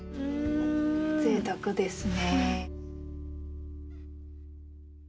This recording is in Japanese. ぜいたくですね。